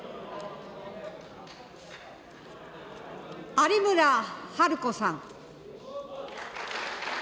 有村治子さん。